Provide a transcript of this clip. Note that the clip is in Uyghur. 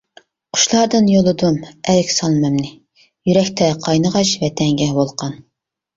قۇشلاردىن يوللىدىم ئەرك سالىمىمنى، يۈرەكتە قاينىغاچ ۋەتەنگە ۋولقان!